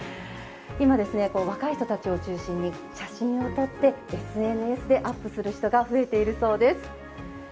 今若い人たちを中心に写真を撮ってＳＮＳでアップする人が増えているそうです。